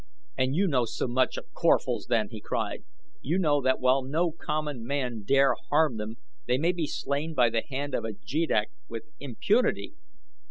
"And you know so much of Corphals, then," he cried, "you know that while no common man dare harm them they may be slain by the hand of a jeddak with impunity!"